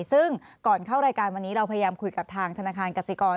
ซึ่งก่อนเข้ารายการวันนี้เราพยายามคุยกับทางธนาคารกสิกร